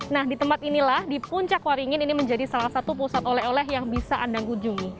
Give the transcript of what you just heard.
nah di tempat inilah di puncak waringin ini menjadi salah satu pusat oleh oleh yang bisa anda kunjungi